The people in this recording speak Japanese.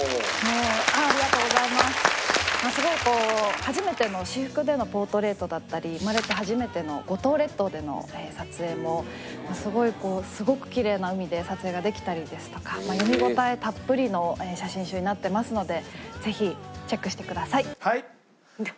初めての私服でのポートレートだったり生まれて初めての五島列島での撮影もすごくきれいな海で撮影ができたりですとか読み応えたっぷりの写真集になってますのでぜひチェックしてください。